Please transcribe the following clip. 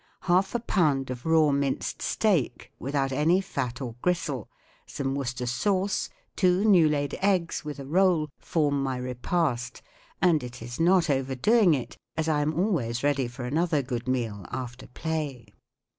Half a pound of raw minced steak, without any fat or gristle, some Worcester sauce, two new laid eggs, with a roll, form my' repast, and it is not over¬ doing it, as I am always ready for another good meal after play.